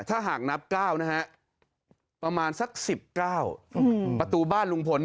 ถ้าหากนับ๙นะฮะประมาณสัก๑๙ประตูบ้านลุงพล